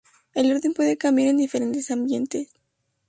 El orden puede cambiar en diferentes ambientes.